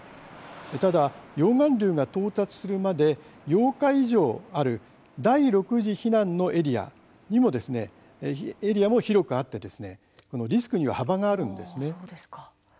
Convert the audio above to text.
ただ、溶岩流が到達するまで８日以上ある第６次避難のエリアも広くあってリスクには幅があるんです。